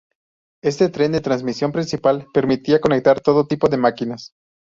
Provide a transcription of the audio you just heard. Este tren de transmisión principal permitía conectar todo tipo de máquinas.